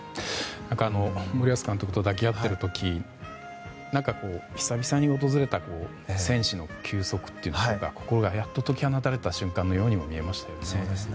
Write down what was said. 森保監督と抱き合っている時何か久々に訪れた戦士の休息といいますか心がやっと解き放たれた瞬間のように見えましたよね。